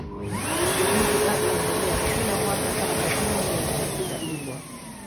Mbio hizi bado huendelea kila mwaka kama sehemu ya kutafuta bingwa